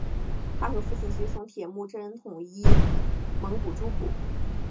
他和父亲随从铁木真统一蒙古诸部。